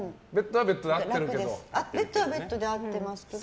ベッドはベッドで合ってますけど。